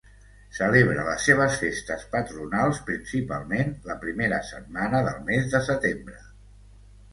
Celebra les seves Festes patronals principalment la primera setmana del mes de setembre.